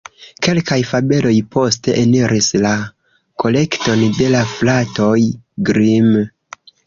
Kelkaj fabeloj poste eniris la kolekton de la Fratoj Grimm.